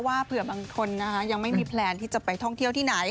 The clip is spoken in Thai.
เผื่อบางคนยังไม่มีแพลนที่จะไปท่องเที่ยวที่ไหน